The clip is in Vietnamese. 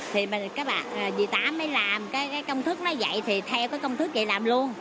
thì bà dì tám mới làm cái công thức nó vậy thì theo cái công thức vậy làm luôn